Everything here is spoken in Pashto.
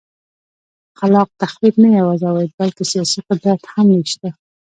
خلاق تخریب نه یوازې عواید بلکه سیاسي قدرت هم وېشه.